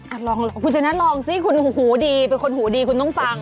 ลองคุณชนะลองสิคุณหูดีเป็นคนหูดีคุณต้องฟัง